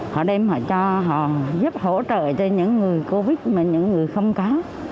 họ đem họ cho họ giúp hỗ trợ cho những người covid mà những người không có